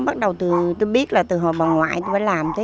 tuổi đời còn trẻ